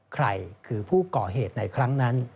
ใครคือผู้ก่อเหตุในครั้งนั้น